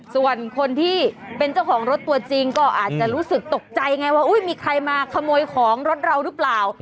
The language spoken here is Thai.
ส่วนคนที่เป็นเจ้าของรถตัวจริงก็อาจจะรู้สึกตกใจไงว่ามีใครมาขโมยของรถเราหรือเปล่า